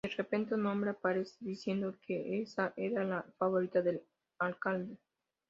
De repente un hombre aparece, diciendo que esa era "la favorita del Alcalde".